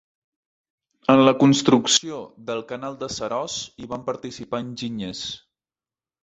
En la construcció del canal de Seròs hi van participar enginyers.